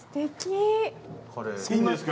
いいんですか？